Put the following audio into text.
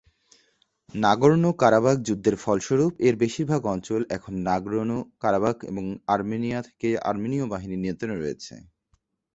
Nagorno-Karabakh যুদ্ধের ফলস্বরূপ, এর বেশিরভাগ অঞ্চল এখন নাগরোণো-কারাবাখ এবং আর্মেনিয়া থেকে আর্মেনীয় বাহিনীর নিয়ন্ত্রণে রয়েছে।